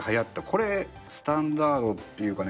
これスタンダードっていうかね